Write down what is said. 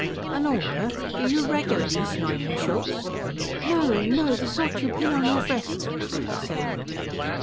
"An order? For you regular, Miss Neumann Schultz?" "No, no, the sort you pin on your breast," said Priscilla.